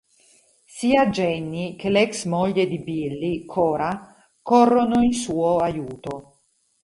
Sia Jennie che l'ex moglie di Billy, Cora, corrono in suo aiuto.